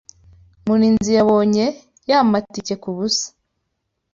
Murinzi yabonye aya matike kubusa.